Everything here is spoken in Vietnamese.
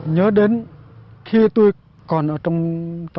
nhớ đến khi tôi còn ở trong tù thì